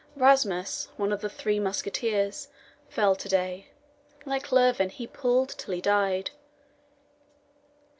Rasmus, one of the "Three Musketeers," fell to day. Like Lurven, he pulled till he died.